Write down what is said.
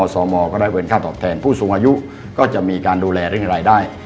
สมก็ได้เงินค่าตอบแทนผู้สูงอายุก็จะมีการดูแลเรื่องรายได้